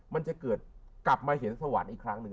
มันจะเกิดกลับมาเห็นสวรรค์อีกครั้งหนึ่ง